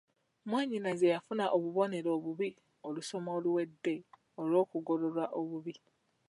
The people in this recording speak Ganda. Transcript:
Mwannyinaze yafuna obubonero obubi olusoma oluwedde olw'okugololwa obubi.